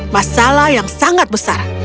masalah yang sangat besar